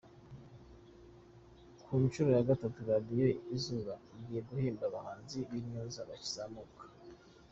Ku nshuro ya gatatu Radio Izuba igiye guhemba abahanzi b’intyoza bakizamuka